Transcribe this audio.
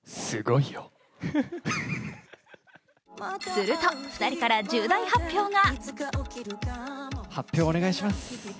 すると、２人から重大発表が。